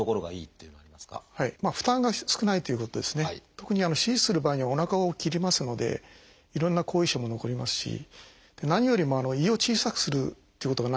特に手術する場合にはおなかを切りますのでいろんな後遺症も残りますし何よりも胃を小さくするということがないわけですね。